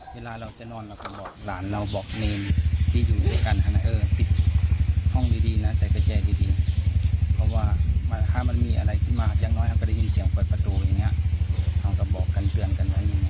วัดแห่งนี้แหละค่ะ